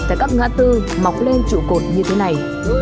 tại các ngã tư mọc lên trụ cột như thế này